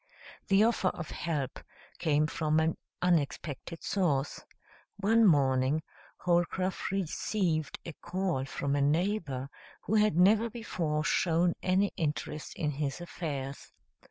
The offer of help came from an unexpected source. One morning Holcroft received a call from a neighbor who had never before shown any interest in his affairs.